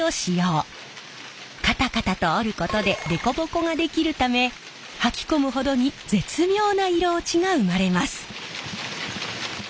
カタカタと織ることで凸凹ができるためはき込むほどに絶妙な色落ちが生まれます。